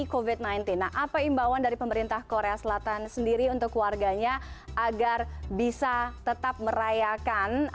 covid sembilan belas nah apa imbauan dari pemerintah korea selatan sendiri untuk warganya agar bisa tetap merayakan